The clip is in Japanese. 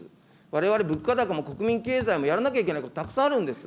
われわれ、物価高も国民経済もやらなきゃいけないことたくさんあるんです。